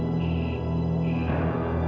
tuku tuku ini florida